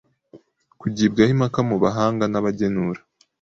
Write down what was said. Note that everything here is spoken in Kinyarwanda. kugibwaho impaka mu bahanga n'abanegura